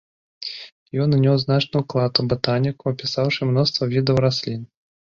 Ён унёс значны ўклад у батаніку, апісаўшы мноства відаў раслін.